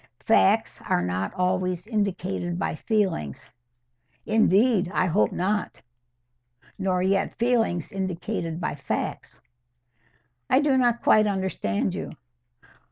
"Facts are not always indicated by feelings." "Indeed, I hope not; nor yet feelings indicated by facts." "I do not quite understand you."